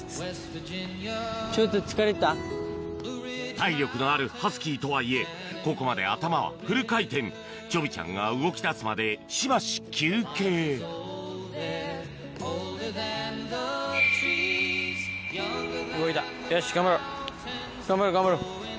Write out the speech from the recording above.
体力のあるハスキーとはいえここまで頭はフル回転ちょびちゃんが動き出すまでしばし休憩動いたよし頑張ろう頑張ろう頑張ろう。